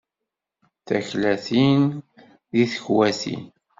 Taklatin di tekwatin.